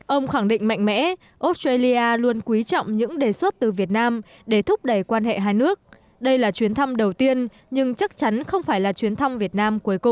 ông khẳng định mạnh mẽ australia luôn quý trọng những đề xuất từ việt nam để thúc đẩy quan hệ hai nước đây là chuyến thăm đầu tiên nhưng chắc chắn không phải là chuyến thăm việt nam cuối cùng